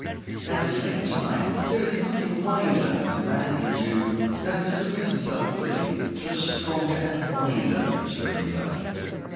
At the same time, there is nothing wiser that a man can do than to submit himself fully to a stronger and wiser nature than his own.